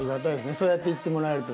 そうやって言ってもらえると。